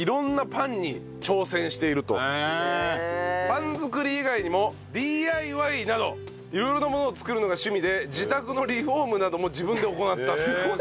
パン作り以外にもＤＩＹなど色々なものを作るのが趣味で自宅のリフォームなども自分で行ったと。